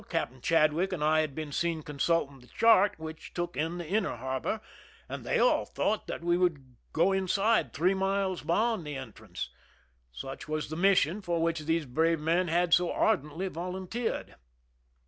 Captain Chadwick, and I had been seen consulting the chart which took in the inner harbor, and they all thought that we would go inside three miles beyond the entrance. Such was the mission for which these brave men had so ardently volunteered.